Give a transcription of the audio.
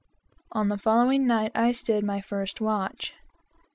On the following night, I stood my first watch.